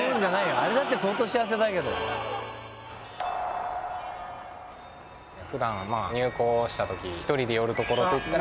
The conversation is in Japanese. あれだって相当幸せだけど普段まあ入港した時１人で寄るところといったら